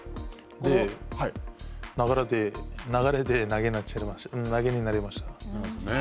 流れで投げになりました。